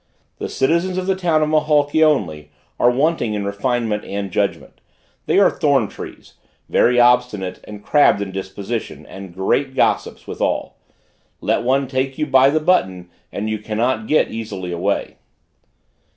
The citizens of the town of Maholki, only, are wanting in refinement and judgment; they are thorn trees; very obstinate and crabbed in disposition, and great gossips, withal; let one take you by the button and you cannot get away easily.